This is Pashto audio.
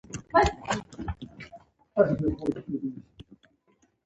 په هوایي ډګر کې ښایي سره بېل شو.